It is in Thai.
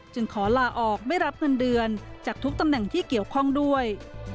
ขอลาออกไม่รับเงินเดือนจากทุกตำแหน่งที่เกี่ยวข้องด้วย